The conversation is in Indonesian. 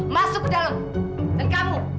masuk ke dalam dan kamu